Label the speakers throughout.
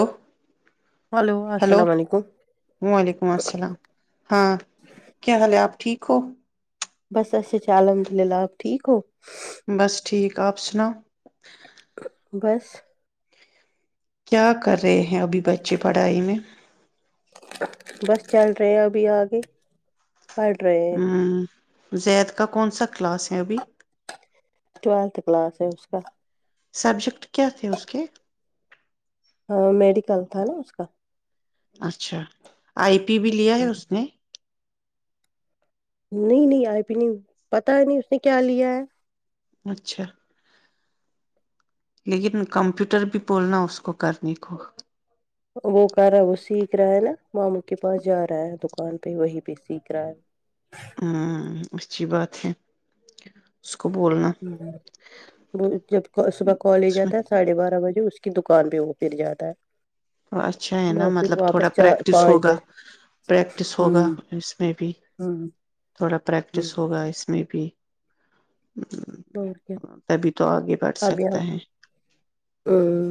Speaker 1: Hello hello
Speaker 2: السلام علیکم
Speaker 1: وعلیکم السلام ہاں کیا حال ہے آپ ٹھیک سیکھو
Speaker 2: بس اچھا اچھا الحمد للہ آپ ٹھیک ہو
Speaker 1: بس ٹھیک آپ سناؤ
Speaker 2: بس
Speaker 1: کیا کر رہے ہیں ابھی بچے پڑھائی میں
Speaker 2: بس چل رہے ہیں ابھی آگ پڑ رہے
Speaker 1: ہوں زید کا کون سا کلاس ہے ابھی
Speaker 2: ٹویلتھ کلاس ہے اس کا
Speaker 1: سبجیکٹ کیا تھے اس کے
Speaker 2: ہاں میڈیکل تھا نا اس کا
Speaker 1: اچھا آئی پی بھی لیا ہے اس نے
Speaker 2: نہیں نہیں آئی پی نہیں پتا ہے نہیں اس نے کیا لیا ہے
Speaker 1: اچھا لیکن کمپیوٹر بھی بولنا اس کو کرنے کو
Speaker 2: وہ کر رہا وہ سیکھ رہا ہے نا ماموں کے پاس جا رہا ہے دکان پہ وہی پہ سیکھ رہا ہے
Speaker 1: ہوں اچھی بات ہے کو بولنا
Speaker 2: جب صبح کالج
Speaker 1: اس میں
Speaker 2: آتا ہے ساڑھے بارہ بجے اس کی دکان پہ وہ پھر جاتا ہے
Speaker 1: تو اچھا ہے نا
Speaker 2: وہ پھر
Speaker 1: مطلب تھوڑا
Speaker 2: واپس چار
Speaker 1: پریکٹس
Speaker 2: پانچ
Speaker 1: ہوگا
Speaker 2: بجے
Speaker 1: پریکٹس ہوگا
Speaker 2: ہوں
Speaker 1: اس میں بھی
Speaker 2: ہوں
Speaker 1: تھوڑا
Speaker 2: ہ
Speaker 1: پریکٹس ہوگا اس میں بھی جی [unintelligible]
Speaker 2: کیا
Speaker 1: بڑھ
Speaker 2: اب ہ
Speaker 1: سکتا ہے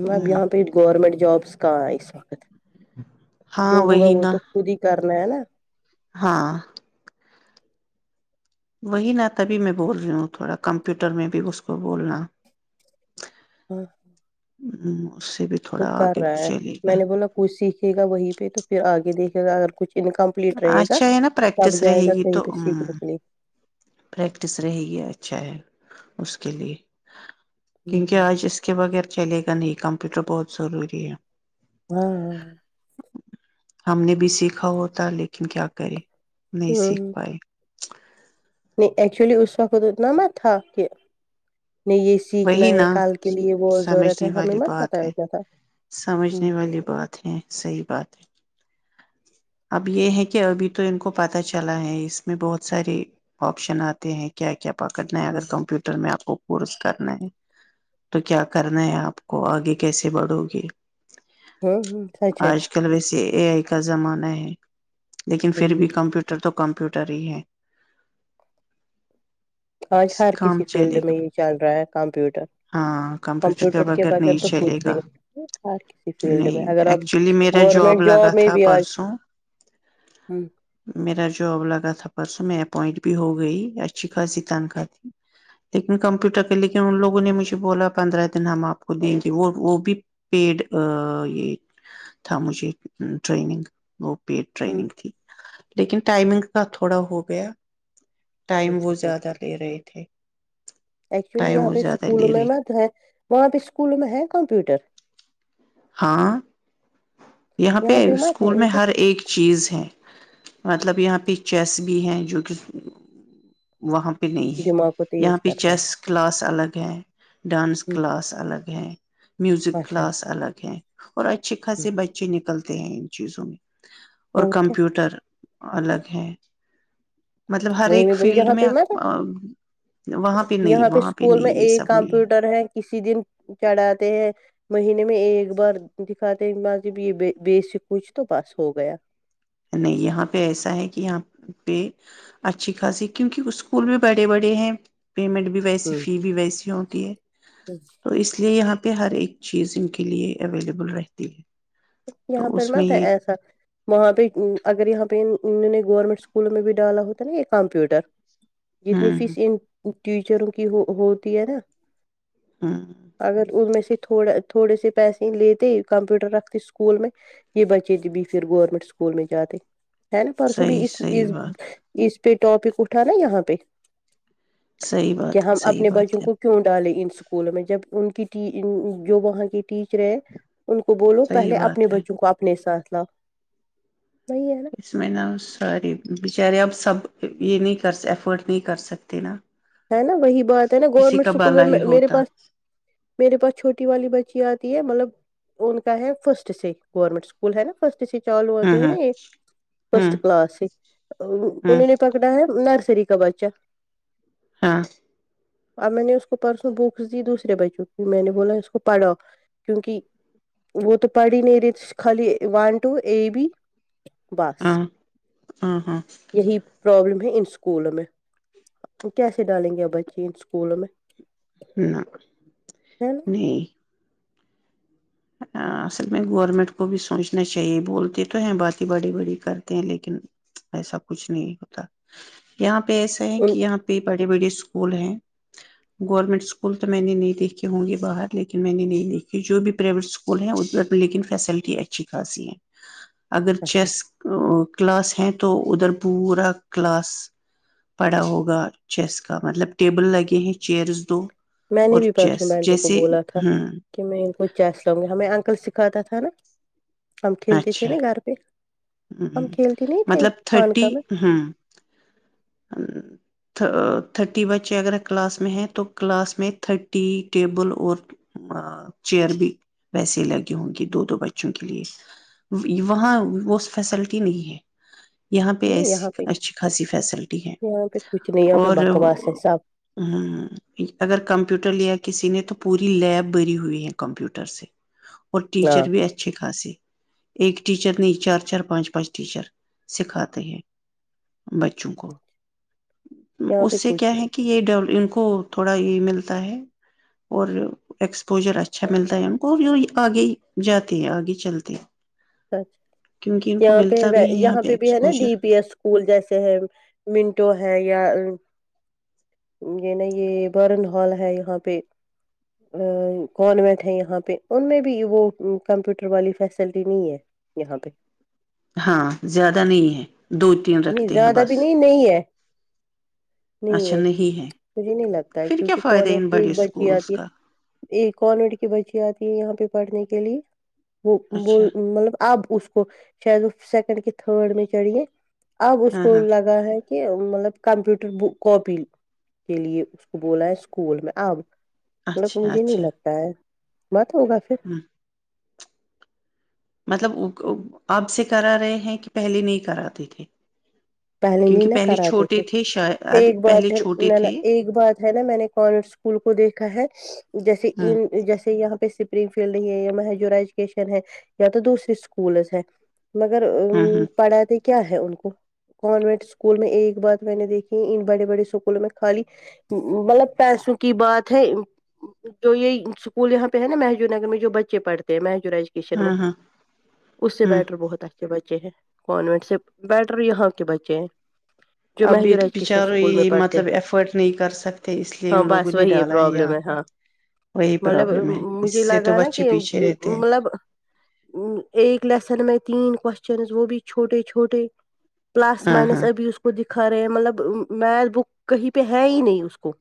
Speaker 1: ہ
Speaker 2: اب پ گورمٹ [unintelligible] جابس کا اس جو
Speaker 1: ہاں
Speaker 2: ہوگا
Speaker 1: وہی
Speaker 2: وہ
Speaker 1: نا
Speaker 2: تو خود ہی کرنا ہے نا
Speaker 1: ہاں وہی نا تبھی میں بول رہی ہوں تھوڑا کمپیوٹر میں بھی اس کو بولنا
Speaker 2: ہوں ہ [unintelligible]
Speaker 1: ا ہ [unintelligible]
Speaker 2: وہ کر رہا ہے میں نے بولا کچھ سیکھے گا وہی پہ تو پھر آگے دیکھے گا اگر کچھ انکمپلیٹ رہے گا
Speaker 1: اچھا ہے نا
Speaker 2: تب
Speaker 1: پریکٹس
Speaker 2: جائے
Speaker 1: رہے
Speaker 2: گا
Speaker 1: گی
Speaker 2: کہیں
Speaker 1: تو
Speaker 2: پہ سیکھنے
Speaker 1: ہ
Speaker 2: کے لیے
Speaker 1: پریکٹس رہے گی اچھا ہے اس کے لیے کیونکہ
Speaker 2: ہوں
Speaker 1: آج اس کے بغیر چلے گا نہیں کمپیوٹر بہت ضروری ہے
Speaker 2: ہوں ہ [unintelligible]
Speaker 1: ہم نے بھی سیکھا ہو پ لیکن کیا کرے نہیں سیکھ
Speaker 2: ہوں
Speaker 1: پائے [inaudible]
Speaker 2: نہیں ایکچولی اس وقت تو اتنا مت تھا کہ نہیں یہ سیکھنا
Speaker 1: وہی
Speaker 2: ہے
Speaker 1: نا
Speaker 2: کل کے لیے وہ ضرورت ہے
Speaker 1: سمجھنے
Speaker 2: ہمیں
Speaker 1: والی
Speaker 2: مت
Speaker 1: بات
Speaker 2: پتا
Speaker 1: ہے
Speaker 2: اتنا تھا
Speaker 1: سمجھنے
Speaker 2: ہوں
Speaker 1: والی بات ہے صحیح بات ہے اب یہ ہے کہ ابھی تو ان کو پت چلا ہے اس میں بہت سارے آپشن آتے ہیں کیا کیا کیا پکڑنا ہے
Speaker 2: ہاں
Speaker 1: اگر کمپیوٹر میں آپ کو پس کرنا ہے تو کیا کرنا ہے آپ کو آگے کیسے بڑو گے
Speaker 2: ہوں ہ سچ ہے
Speaker 1: ایک [unintelligible] کا زمانہ ہے لیکن پھر
Speaker 2: ہوں
Speaker 1: بھی کمپیوٹر تو کم کپوٹر ہی ہے
Speaker 2: آج
Speaker 1: سے
Speaker 2: ہر کسی
Speaker 1: کام چلے
Speaker 2: فیلڈ میں
Speaker 1: گا
Speaker 2: یہ چل رہا ہے کمپیوٹر
Speaker 1: ہاں
Speaker 2: کمپیوٹر کے بغیر
Speaker 1: نہیں
Speaker 2: تو
Speaker 1: چلے
Speaker 2: کچھ بھی
Speaker 1: گا
Speaker 2: نہیں ہر کسی فیلڈ میں
Speaker 1: نہیں
Speaker 2: اگر آپ
Speaker 1: ایکچولی میرا
Speaker 2: گورنمنٹ
Speaker 1: لگا
Speaker 2: جاب میں
Speaker 1: تھا
Speaker 2: بھی آج
Speaker 1: پرسوں میرا جاب لگا تھا پرسوں میں اپوائنٹ بھی ہو گئی اچھی خاصی تنخواہ تھی لیکن کمپیوٹر کے لیکن ان لوگوں نے مجھے بولا پندرہ دن ہم آپ کو دیں گے وہ وہ بھی پیڈ یہ تھا مجھے ٹرینگ پیڈ ٹریننگ تھی لیکن ائمنگ کا تھوڑا ہو گیا ٹائم
Speaker 2: اچھا
Speaker 1: وہ
Speaker 2: ٹھیک
Speaker 1: زیادہ
Speaker 2: یک
Speaker 1: لے رہے تھے
Speaker 2: ایکچولی
Speaker 1: ٹائم
Speaker 2: یہاں
Speaker 1: وہ
Speaker 2: پہ
Speaker 1: زیادہ
Speaker 2: اسکولوں
Speaker 1: لے
Speaker 2: میں
Speaker 1: رہے
Speaker 2: میں تو ہے وہاں پہ اسکولوں میں ہے کمپیوٹر
Speaker 1: ہاں یہاں پہ
Speaker 2: مت
Speaker 1: اسکول
Speaker 2: ہے ان
Speaker 1: میں
Speaker 2: کو
Speaker 1: ہر ایک چیز ہے مطلب یہاں پہچس بھی ہیں جو کہ وہاں پہ نہیں ہے
Speaker 2: دماغ کو
Speaker 1: یہاں
Speaker 2: تیز
Speaker 1: پہ
Speaker 2: کرنا ہے
Speaker 1: چیس کلاس الگ ہے ڈانس
Speaker 2: نا
Speaker 1: کلاس الگ ہے میوزک
Speaker 2: اچھا
Speaker 1: کلاس
Speaker 2: اچھا
Speaker 1: الگ ہے اور اچھیے کھ سے بچے ن نکلتے ہیں ان چیزوں میں اور کمپیوٹر الگ ہیں
Speaker 2: وہی میں ب یہاں پہ م
Speaker 1: وہاں
Speaker 2: یہاں
Speaker 1: نہیں
Speaker 2: پہ
Speaker 1: وہاں
Speaker 2: اسکول میں
Speaker 1: نہیں یہ
Speaker 2: ایک
Speaker 1: سب نہیں
Speaker 2: کمپیوٹر ہے کسی دن چڑھاتے ہیں مہینے میں ایک بار دکھاتے مجب یہ بیےسک کچھ تو بس ہو گیا
Speaker 1: نہیں یہاں پہ ایسا ہے کہ یہاں پہ اچھی خاصی کیونکہ اسکول بھی بڑے بڑے ہیں پیمنٹ بھی ویسی فی
Speaker 2: ہ
Speaker 1: بھی ویسی ہوتی ہے تو اس لیے یہاں پہ پہ ہر ایک چیز ان کے لیے اویلیبل رہتی ہے
Speaker 2: یہاں
Speaker 1: تو
Speaker 2: پر
Speaker 1: اس میں
Speaker 2: مت
Speaker 1: یہ
Speaker 2: ایسا وہاں پہ اگر یہاں پہ نئے گورنمنٹ اسکولوں میں بھی ڈالا ہوتا ہے نا یہ کمپیوٹر جتنی فیس
Speaker 1: ہوں
Speaker 2: ان ٹیچروں کی ہو ہوتی ہے نا
Speaker 1: ہوں
Speaker 2: اگر ان میں سے تھوڑا تھوڑے سے پیسے ہی لیتے کمپیوٹر رکھتے اسکول میں یہ بچے پھر گورنمنٹ اسکول میں جاتے ہے نا پرسو
Speaker 1: صحیح
Speaker 2: بھی اس
Speaker 1: صحیح
Speaker 2: اس
Speaker 1: بات
Speaker 2: اس پہ ٹاپک اٹھا نا یہاں پہ
Speaker 1: صحیح
Speaker 2: کہ
Speaker 1: بات ہے
Speaker 2: ہم
Speaker 1: صحیح
Speaker 2: اپنے
Speaker 1: بات
Speaker 2: بچوں
Speaker 1: ہے
Speaker 2: کو کیوں ڈالیں ان اسکولوں میں جب ان کی جو وہاں کی ٹیچر ہیں ان کو
Speaker 1: صحیح
Speaker 2: پہلے اپنے
Speaker 1: بات ہے
Speaker 2: بچوں کو اپنے ساتھ [inaudible] ہے نا
Speaker 1: اس میں نا ساری بچارے اب سب یہ نہیں کر افورڈ نہیں کر سکتے نا
Speaker 2: ہے نا وہی بات ہے نا
Speaker 1: کسی
Speaker 2: گورنمنٹ
Speaker 1: کا
Speaker 2: اسکول
Speaker 1: بالا
Speaker 2: میں
Speaker 1: ہی
Speaker 2: میرے
Speaker 1: ہوتا
Speaker 2: پا میرے پاس چھوٹی والی بچ اچ آتی ہے مطلب ان کا ہے فرسٹ سے گورنمنٹ اسکول ہے نا فرسٹ چالو آتے
Speaker 1: ہوں
Speaker 2: ہیں نا
Speaker 1: ہوں
Speaker 2: یہ فسٹ
Speaker 1: ہوں
Speaker 2: کلاس سے
Speaker 1: ہوں
Speaker 2: انوں نے پکڑا ہے نرس سری کباچا
Speaker 1: ہاں
Speaker 2: اور میں نے اس کو پرسنوں بکس دی دوسرے بچوں کی میں نے بولا اس کو پڑھو کیونکہ وہ تو پڑھ ہی نہیں رہی خالی ون ٹو اے بی باس
Speaker 1: ہاں ہاں ہاں
Speaker 2: یہی پرابلم ہے ان سکولول میں کیسے ڈالیں گے ا بچے ان اسکولوں میں
Speaker 1: نہ
Speaker 2: ہے نا
Speaker 1: نہیں اصل میں گورنمنٹ کو بھی سوچنا چاہیے بولتے تو ہیں بات بڑی بڑی کرتے ہیں لیکن ایسا کچھ نہیں ہوتا یہاں پ ایسا ہے کہ یہاں پہ بڑے بڑی اسکول ہیں گورنمنٹ اسکول تو میں نے نہیں دیکھے ہوں گے باہر لیکن میں نے نہیں دیکھے جو بھی پرائیویٹ اسکول ہیں اد لیکن فیسلٹی اچھی خاصی ہیں اگر
Speaker 2: اچھا ٹھیک
Speaker 1: چیس کلاس ہے تو ادھر پورا کلاس پڑا ہوگا چیس کا مطلب ٹیبل لگے ہیں چیئرس دو
Speaker 2: میں نے
Speaker 1: اور
Speaker 2: بھی پرسوں
Speaker 1: چیس
Speaker 2: بٹوں کو
Speaker 1: جیسے
Speaker 2: بولا تھا
Speaker 1: ہ
Speaker 2: کہ میں ان کو چیس گے ہمیں انکل سکھاتا تھا نا ہم کھیلتے تھے
Speaker 1: اچھا
Speaker 2: نا گھر پہ
Speaker 1: ہ ہ
Speaker 2: ہم کھیلتے نہیں تھے
Speaker 1: مطلب
Speaker 2: خان
Speaker 1: تھرٹی
Speaker 2: کا میں
Speaker 1: ہ تھرٹی بچے اگر کلاس میں ہیں تو کلاس میں تھرٹی ٹیبل اور چیئر بھی ویسے لگی ہوں گی دو دو بچوں کے لیے وہاں وہ فیسلٹی نہیں ہے یہاں پہ
Speaker 2: ہ
Speaker 1: ایسی
Speaker 2: یہاں پہ
Speaker 1: اچھی خاصی فیسلٹی ہے
Speaker 2: یہاں پہ کچھ نہیں یہاں پہ
Speaker 1: اور
Speaker 2: بکواس ہے
Speaker 1: ہ
Speaker 2: سب
Speaker 1: اگر کمپیوٹر لیا کسی نے تو پوری لیب بری ہوئی ہے کمپیوٹر سے اور
Speaker 2: ہاں
Speaker 1: ٹیچر بھی اچھے خاصے ایک ٹیچر نے چار چار پانچ پانچ ٹیچر سکھاتے ہیں بچوں کو
Speaker 2: یہاں
Speaker 1: اس
Speaker 2: پہ
Speaker 1: سے
Speaker 2: کچھ
Speaker 1: کیا
Speaker 2: نہیں
Speaker 1: ہے کہ یہ ڈ کو تھوڑا یہ ملتا ہے اور ایکسپوجر اچھا ملتا ہے ان کو آگے ہی جاتے ہیں آگے چلتے ہیں
Speaker 2: اچ
Speaker 1: کیونکہ ان
Speaker 2: اچا
Speaker 1: کو
Speaker 2: یہاں پہ
Speaker 1: ملتا بھی ہے
Speaker 2: یہاں پہ بھی ہے نا
Speaker 1: exposure
Speaker 2: D P S school جیسے ہے منٹو ہے یا یہ نا یہ برن ہال ہے یہاں پہ ا کانوینٹ ہے یہاں پہ ان میں بھی وہ کمپیوٹر والی فیسلٹی نہیں ہے یہاں پہ
Speaker 1: ہاں زیادہ نہیں ہے دو تین
Speaker 2: نہیں
Speaker 1: رکھتے ہیں
Speaker 2: زیادہ بھی
Speaker 1: بس
Speaker 2: نہیں نہیں ہے نہیں ہے مجھے نہیں لگتا
Speaker 1: پھر کیا
Speaker 2: کیونکہ
Speaker 1: فائدہ ہے ان
Speaker 2: کوانوٹ کی
Speaker 1: بڑے
Speaker 2: ایک بچی
Speaker 1: اسکولس
Speaker 2: آتی
Speaker 1: کا
Speaker 2: ہے ایک کانوٹ کی بچی آتی ہے یہاں پہ پڑھنے کے لیے وہ ب
Speaker 1: اچھا
Speaker 2: مطلب اب اس کو شاید وہ سیکنڈ کے تھرڈ میں چڑھیے اب اس
Speaker 1: ہاں
Speaker 2: کو
Speaker 1: ہاں
Speaker 2: لگا ہے کہ مطلب کمپیوٹر بک کاپی کے لیے اس کو بولا ہے اسکول میں اب مطلب
Speaker 1: اچھا
Speaker 2: مجھے نہیں
Speaker 1: اچھا
Speaker 2: لگتا ہے مت ہوگا پھر
Speaker 1: ہ مطلب اب سے کرا رہے ہیں کہ پہلے نہیں کراتے تھے
Speaker 2: پہلے نہیں
Speaker 1: کیونکہ
Speaker 2: ن
Speaker 1: پہلے
Speaker 2: کراتے
Speaker 1: چھوٹے
Speaker 2: تھے
Speaker 1: شاید
Speaker 2: ایک بات
Speaker 1: پہلے
Speaker 2: ہے
Speaker 1: چھوٹے
Speaker 2: نہ نہ
Speaker 1: تھے
Speaker 2: ایک بات ہے نا میں نے کانینٹ اسکول کو دیکھا ہے جیسے
Speaker 1: ہ
Speaker 2: جیسے یہاں پہ فیلڈ یا مجور ایجوکیشن ہے یا تو دوسری اسکولس ہے مگر ا
Speaker 1: ہ ہ
Speaker 2: پڑھا ت کیا ہے ان کو کانوینٹ اسکول میں ایک بات میں نے دیکھی ان بڑے بڑے اسکولوں میں خالی مطلب پیسوں کی بات ہے جو یہ اسکول یہاں پہ ہے نا مہجور نگر میں جو بچے پڑھتے ہیں م وکیشن میں
Speaker 1: ہاں ہاں
Speaker 2: اس سے
Speaker 1: ہ
Speaker 2: بیٹر بہت اچھے کانینٹ سے بیٹر یہاں کے بچے جو
Speaker 1: ابھی
Speaker 2: مجورجوکشن
Speaker 1: بچارے
Speaker 2: اسکول میں
Speaker 1: یہ
Speaker 2: پڑھتے
Speaker 1: مطلب ایفرٹ نہیں کر سکتے اس لیے ان
Speaker 2: ہاں
Speaker 1: لوگوں
Speaker 2: بس
Speaker 1: نے
Speaker 2: وہی
Speaker 1: ڈالا
Speaker 2: پرابلم
Speaker 1: یہاں
Speaker 2: ہے
Speaker 1: پہ
Speaker 2: ہاں
Speaker 1: وہی
Speaker 2: مطلب
Speaker 1: پرابلم ہے اس
Speaker 2: مجھے
Speaker 1: سے تو
Speaker 2: لگا نا
Speaker 1: بچے
Speaker 2: کہ
Speaker 1: پیچھے رہتے ہیں
Speaker 2: مطلب ایک لیسن میں تین کوشچن وہ بھی چھوٹے چھوٹے پلس
Speaker 1: ہاں
Speaker 2: مائنس
Speaker 1: ہاں
Speaker 2: اب اس کو دکھ کرے مطلب می بک کہیں پہ ہے ہی نہیں اس کو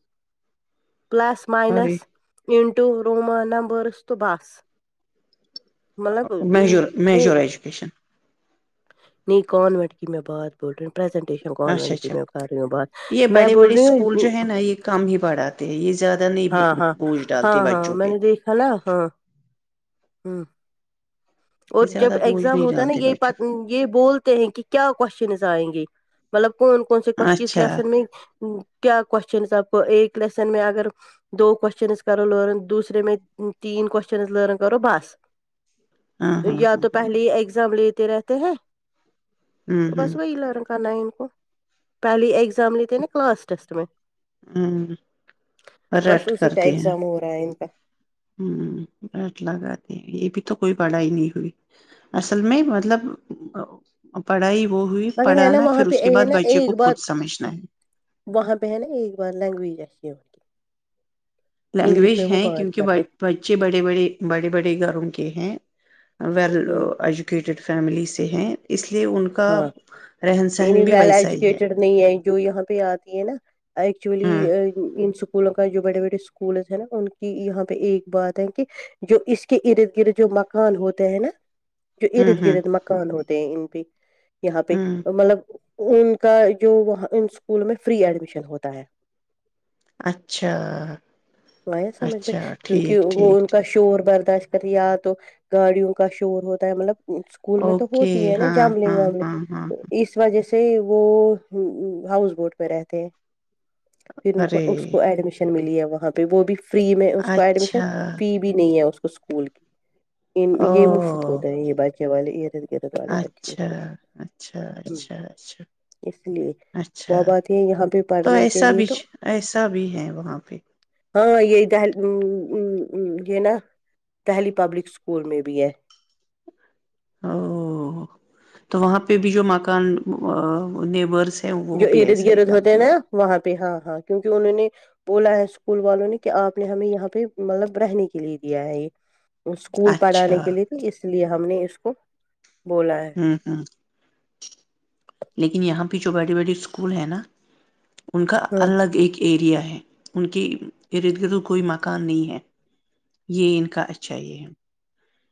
Speaker 2: پلس
Speaker 1: اور
Speaker 2: مائنس ننٹو رومانبرس تو باس
Speaker 1: میجور میجور ایجوکیشن
Speaker 2: نہیں کون وٹ کہ میں بعد بٹوں پرزنٹیشن کون ب
Speaker 1: اچھا
Speaker 2: گی
Speaker 1: اچھا
Speaker 2: میں کر رہی ہوں بات
Speaker 1: یہ
Speaker 2: میں
Speaker 1: بڑے
Speaker 2: بول
Speaker 1: بڑے
Speaker 2: رہی
Speaker 1: اسکول
Speaker 2: ہوں
Speaker 1: جو ہے نا یہ کم ہی پڑھاتے ہیں یہ زیادہ نہیں
Speaker 2: ہاں ہاں
Speaker 1: بوجھ
Speaker 2: ہاں
Speaker 1: ڈالتے
Speaker 2: ہاں
Speaker 1: بچوں
Speaker 2: میں
Speaker 1: پہ
Speaker 2: نے دیکھا نا ہاں ہاں اور
Speaker 1: یہ
Speaker 2: جب
Speaker 1: زیادہ بوجھ
Speaker 2: ایگزام
Speaker 1: نہیں
Speaker 2: ہوتا ہے نا
Speaker 1: ڈالتے بچوں
Speaker 2: یہ یہ بولتے ہیں کہ کیا کوشچنس آئیں گے مطلب کون کون سے کون
Speaker 1: پہ۔
Speaker 2: اس
Speaker 1: اچھا
Speaker 2: لیسن میں کیا کوشچن اب ایک لیسن میں اگر دو کوسچنز کرو لن دوسرے میں تین کوسچنز لن کرو بس
Speaker 1: ہاں ہاں
Speaker 2: یا تو پہلے ہی ایگزام لیتے رہتے ہیں
Speaker 1: ہاں
Speaker 2: تو بس
Speaker 1: ہوں
Speaker 2: وہی ل رہوں کرنا ہے ان کو پہلی ایگزام لیتے نا کلاسٹ ٹیسٹ میں
Speaker 1: ہوں اور رٹ
Speaker 2: بس اسی
Speaker 1: کر
Speaker 2: کا
Speaker 1: د ہیں
Speaker 2: ایگزام ہو رہا ہے ان کا
Speaker 1: ہ بیس لگات یہ بھی تو کوئی پڑھائی نہیں ہوئی اصل میں مطلب پڑھائی وہ ہوئی
Speaker 2: مگر ہے نا
Speaker 1: پڑھانا
Speaker 2: وہاں
Speaker 1: پھر
Speaker 2: پہ
Speaker 1: اس کے
Speaker 2: ہے
Speaker 1: بعد
Speaker 2: نا
Speaker 1: بچے کو
Speaker 2: ایک بار
Speaker 1: خود سمجھنا ہے
Speaker 2: وہاں پہ ہے نا ایک بار لینگویج اچھی ہے کی انگلش
Speaker 1: لینگویج
Speaker 2: میں
Speaker 1: ہے
Speaker 2: وہ بات
Speaker 1: کیونکہ
Speaker 2: کرتے
Speaker 1: بچے بڑے بڑے بڑے بڑے گھروں کے ہیں ویل
Speaker 2: ہ
Speaker 1: ایجوکیٹیڈ فیملی سے ہیں اس لیے ان کا
Speaker 2: ہاں
Speaker 1: رہن
Speaker 2: نہیں نہیں
Speaker 1: سہن بھی
Speaker 2: ویل
Speaker 1: ویسا ہی ہے
Speaker 2: ایجوکیٹیڈ نہیں ہے جو یہاں پہ آتی ہے نا ایکچولی
Speaker 1: ہوں
Speaker 2: اسکولوں کا جو بڑے بڑے اسکول ہیں نا ان کی یہاں پہ ایک بات ہے کہ جو اس کے ارد گرد جو مکان ہوتے ہیں نا جو
Speaker 1: ہوں
Speaker 2: ارد
Speaker 1: ہوں
Speaker 2: گرد مکان ہوتے ہیں ان پہ یہاں پہ
Speaker 1: ہوں
Speaker 2: مطلب ان کا جو وہاں ان اسکولوں میں فری ایڈمیشن ہوتا ہے
Speaker 1: اچھا
Speaker 2: وہیا سمجھ میں
Speaker 1: اچھا
Speaker 2: کیونکہ
Speaker 1: ٹھیک ٹھیک
Speaker 2: وہ ان
Speaker 1: ٹھیک
Speaker 2: کا شور بر ج کر یا تو گاڑیوں کا شور ہوتا ہے مطلب اسکول میں تو
Speaker 1: اوکے
Speaker 2: ہوتی ہے نا
Speaker 1: ہاں
Speaker 2: شل
Speaker 1: ہاں
Speaker 2: وامل
Speaker 1: ہاں ہاں
Speaker 2: تو اس وجہ سے ج سے وہ ہاؤس بوٹ پہ رہتے ہیں پھر ان کو
Speaker 1: ارے
Speaker 2: اس کو ایڈمیشن ملی وہاں پہ وہ بھی فری میں اس کو ایڈمیشن
Speaker 1: اچھا
Speaker 2: فی بھی نہیں ہے اس کو اس اسکول کی ان
Speaker 1: او
Speaker 2: یہ مفت ہوتا ہے یہ بچے والے ارد گرد والے بچے
Speaker 1: اچھا
Speaker 2: ہوں۔
Speaker 1: اچھا اچھا اچھا
Speaker 2: اس لیے
Speaker 1: اچھا
Speaker 2: وہ بات ہے یہاں پہ
Speaker 1: تو
Speaker 2: پڑھنے کے
Speaker 1: ایسا
Speaker 2: لیے
Speaker 1: بھی
Speaker 2: تو
Speaker 1: ایسا بھی ہے وہاں پہ
Speaker 2: ہاں یہ دہل یہ نا دہلی پبلک اسکول میں بھی ہے
Speaker 1: او تو وہاں پہ بھی جو مکان نیبرس ہیں وہ
Speaker 2: جو
Speaker 1: بھی
Speaker 2: ارد
Speaker 1: ایسا ہی
Speaker 2: گرد ہوتے ہیں
Speaker 1: کرتی
Speaker 2: نا
Speaker 1: ہوں
Speaker 2: وہاں پہ پ ہاں ہاں کیونکہ انہوں نے بولا ہے اسکول والوں نے کہ آپ نے ہمیں یہاں پہ مطلب رہنے کے لیے دیا ہے یہ
Speaker 1: گے۔
Speaker 2: اسکول پڑھانے
Speaker 1: اچھا
Speaker 2: کے لیے تو اس لیے ہم نے اس کو بولا ہے
Speaker 1: ہوں ہوں لیکن یہاں پر بھی جو بڑی بڑی اسکول ہیں نا ان کا
Speaker 2: ہاں
Speaker 1: الگ ایک ایریا ہے [unintelligible] ان کے ارد گرد کوئی مکان نہیں ہے یہ ان کا اچھا یہ ہے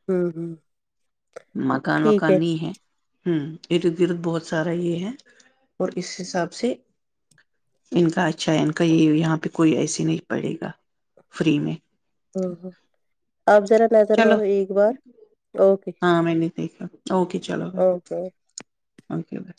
Speaker 2: ہوں ہوں
Speaker 1: مکان وکان نہیں ہے ہوں ارد گرد بہت سارا یہ ہے اور اس حساب سے ان کا اچھا ہے ان کا یہ یہاں پہ کوئی ایسے نہیں پڑے گا فری میں
Speaker 2: ہاں ہاں آپ جذرا نظر
Speaker 1: چلو
Speaker 2: مارو ایک بار اوکے
Speaker 1: ہاں میں نے دیکھا اوکے چلو
Speaker 2: اوکے
Speaker 1: اوکے بائی